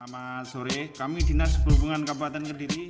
selamat sore kami dinas perhubungan kabupaten kediri